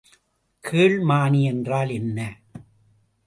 கேள்மானி என்றால் என்ன?